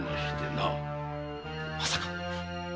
まさか！